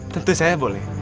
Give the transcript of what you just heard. tentu saja boleh